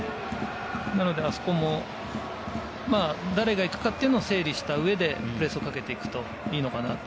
なので、あそこも誰が行くかというのを整理した上で、プレスをかけていくといいのかなと。